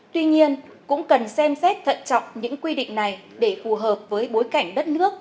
tuy nhiên cũng cần xem xét thận trọng những quy định này để phù hợp với bối cảnh đất nước